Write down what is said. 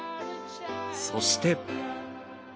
そして。